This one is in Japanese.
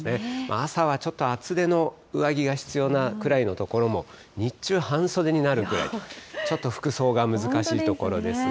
朝はちょっと厚手の上着が必要なくらいの所も、日中、半袖になるぐらい、ちょっと服装が難しいところですが。